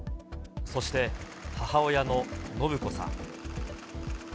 そして、母親の延子さん。